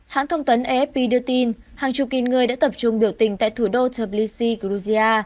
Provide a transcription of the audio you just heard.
hãng thông tấn afp đưa tin hàng chục nghìn người đã tập trung biểu tình tại thủ đô toplysy georgia